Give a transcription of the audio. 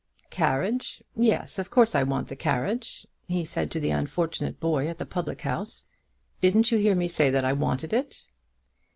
"Carriage; yes; of course I want the carriage," he said to the unfortunate boy at the public house. "Didn't you hear me say that I wanted it?"